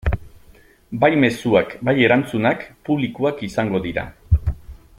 Bai mezuak bai erantzunak publikoak izango dira.